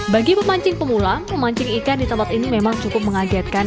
bagi pemancing pemula memancing ikan di tempat ini memang cukup mengagetkan